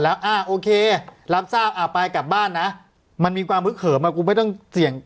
แล้วอ่าโอเครับทราบอ่าไปกลับบ้านนะมันมีความฮึกเขิมอ่ะกูไม่ต้องเสี่ยง